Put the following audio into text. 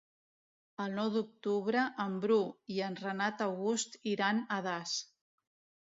El nou d'octubre en Bru i en Renat August iran a Das.